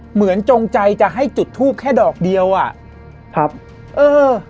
จงใจจะให้จุดทูปแค่ดอกเดียวอ่ะครับเออ